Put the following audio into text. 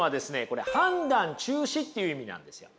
これ判断中止っていう意味なんですよ。